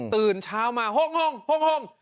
ตื่นเช้ามา๖ห้อง